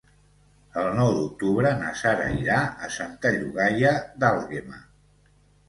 El nou d'octubre na Sara irà a Santa Llogaia d'Àlguema.